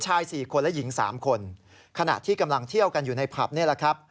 สามคนขณะที่กำลังเที่ยวกันอยู่ในผับนี่แหละครับ